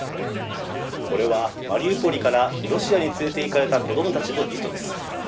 これはマリウポリからロシアに連れていく子供たちのリストです。